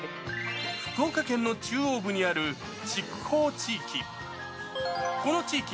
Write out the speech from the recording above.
福岡県の中央部にある筑豊地域。